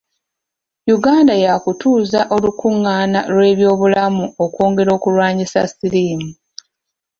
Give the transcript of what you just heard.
Uganda yaakutuuza olukungaana lw’ebyobulamu okwongera okulwanyisa Siriimu.